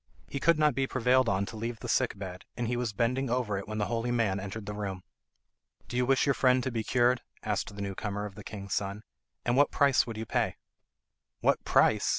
He could not be prevailed on to leave the sick bed, and he was bending over it when the holy man entered the room. "Do you wish your friend to be cured?" asked the new comer of the king's son. "And what price would you pay?" "What price?"